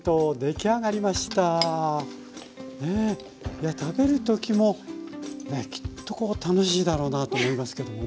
いや食べるときもきっとこう楽しいだろうなと思いますけどもね。